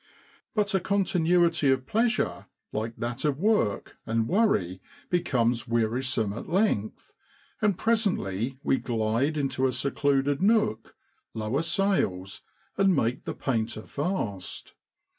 But a con tinuity of pleasure, like that of work and worry, becomes wearisome at length ; and presently we glide into a secluded nook, lower sails, and make the painter fast.